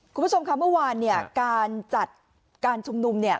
คุณผู้ชมค่ะเมื่อวานเนี่ยการจัดการชุมนุมเนี่ย